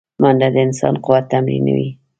منډه د انسان قوت تمرینوي